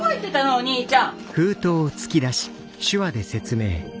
お兄ちゃん。